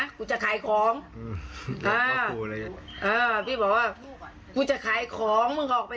ถ้ามึงไม่ออกไปเดี๋ยวเดี๋ยวกูกวันมึงแน่